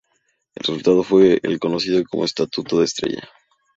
El resultado fue el conocido como Estatuto de Estella.